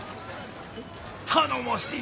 頼もしい！